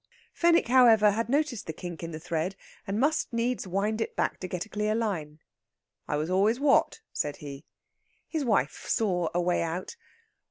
Fenwick, however, had noticed the kink in the thread, and must needs wind it back to get a clear line. "I was always what?" said he. His wife saw a way out.